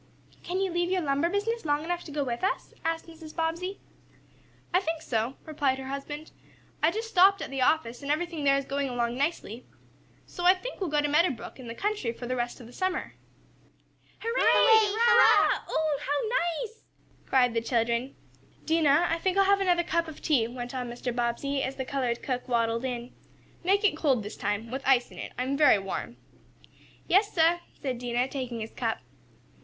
"Can you leave your lumber business long enough to go with us?" asked Mrs. Bobbsey. "I think so," replied her husband. "I just stopped at the office, and everything there is going along nicely. So I think we'll go to Meadow Brook, in the country, for the rest of the summer." "Hurray! Hurrah! Oh, how nice!" cried the children. "Dinah, I think I'll have another cup of tea," went on Mr. Bobbsey, as the colored cook waddled in. "Make it cold, this time with ice in it. I am very warm." "Yais sah," said Dinah, taking his cup.